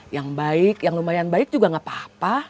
yang baik yang lumayan baik juga gak apa apa